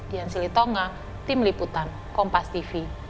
dian silitonga tim liputan kompas tv